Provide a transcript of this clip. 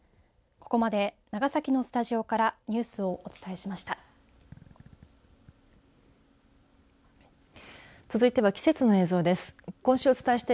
ここまで長崎のスタジオからニュースをお伝えしました。